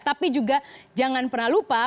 tapi juga jangan pernah lupa